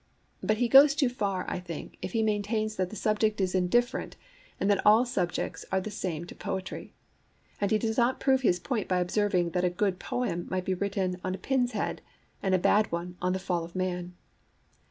But he goes too far, I think, if he maintains that the subject is indifferent and that all subjects are the same to poetry. And he does not prove his point by observing that a good poem might be written on a pin's head, and a bad one on the Fall of Man.